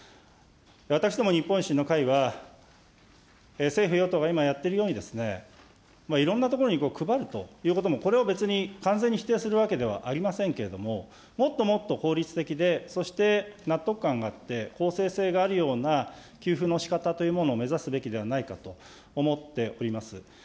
私ども日本維新の会は、政府・与党が今やっているように、いろんなところに配るということも、これを完全に否定するわけではありませんけれども、もっともっと効率的で、そして納得感があって、公正性があるような給付のしかたというものを目指すべきではないかというふうに思っております。